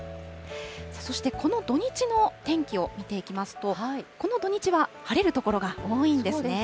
そしてこの土日の天気を見ていきますと、この土日は晴れる所が多いんですね。